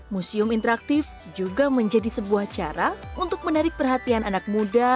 museum interaktif juga menjadi sebuah cara untuk menarik perhatian anak muda